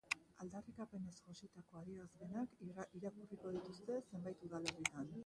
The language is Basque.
Aldarrikapenez jositako adierazpenak irakurriko dituzte zenbait udalerritan.